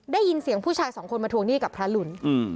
ได้ยินเสียงผู้ชายสองคนมาทวงหนี้กับพระหลุน